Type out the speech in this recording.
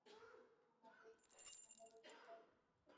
আমরা পৌঁছাতে পারবো না।